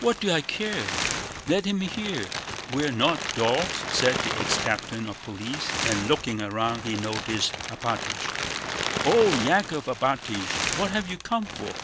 "What do I care? Let him hear! We're not dogs," said the ex captain of police, and looking round he noticed Alpátych. "Oh, Yákov Alpátych! What have you come for?"